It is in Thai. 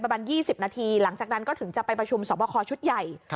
ประมาณ๒๐นาทีหลังจากนั้นก็ถึงจะไปประชุมสอบคอชุดใหญ่